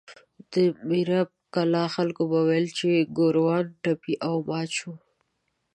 د میربت کلا خلکو به ویل چې ګوروان ټپي او مات شو.